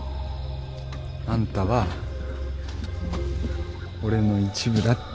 あんたは俺の一部だって。